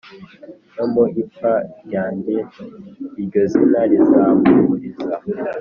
nomu ipfa ryanjye iryozina rizampumuriza